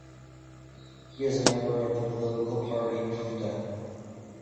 He is member of the political party PvdA.